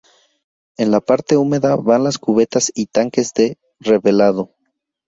En la parte húmeda van las cubetas y tanques de revelado.